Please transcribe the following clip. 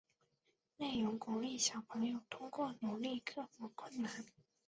内容鼓励小朋友通过努力克服困难。